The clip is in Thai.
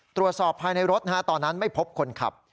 ตรวจสอบภายในรถตอนนั้นไม่พบคนขับ